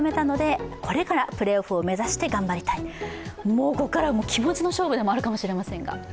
もうここからは気持ちの勝負でもあるかもしれませんが。